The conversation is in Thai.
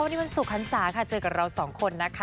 วันนี้วันศุกร์หันศาค่ะเจอกับเราสองคนนะคะ